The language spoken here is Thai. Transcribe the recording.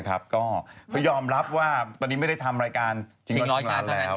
เขายอมรับว่าตอนนี้ไม่ได้ทำรายการจริงร้านแล้ว